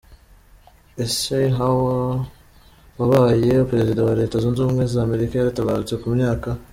Eisenhower, wabaye perezida wa wa Leta zunze ubumwe za Amerika yaratabarutse, ku myaka .